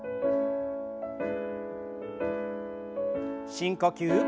深呼吸。